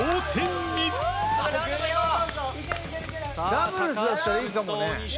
ダブルスだったらいいかもね。